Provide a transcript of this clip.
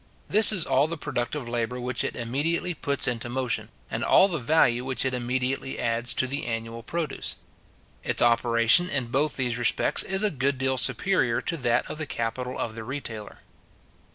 This is all the productive labour which it immediately puts into motion, and all the value which it immediately adds to the annual produce. Its operation in both these respects is a good deal superior to that of the capital of the retailer.